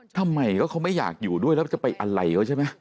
ทำไมเขาไม่อยากอยู่ด้วยแล้วจะไปอะไรเขาใช่ไหม